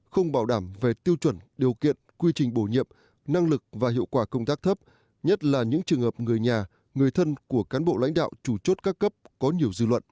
không bảo đảm về tiêu chuẩn điều kiện quy trình bổ nhiệm năng lực và hiệu quả công tác thấp nhất là những trường hợp người nhà người thân của cán bộ lãnh đạo chủ chốt các cấp có nhiều dư luận